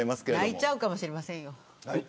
泣いちゃうかもしれません。